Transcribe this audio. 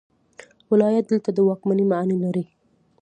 ولایت دلته د واکمنۍ معنی لري.